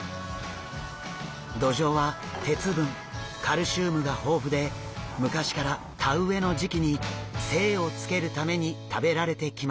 ドジョウは鉄分カルシウムが豊富で昔から田植えの時期に精をつけるために食べられてきました。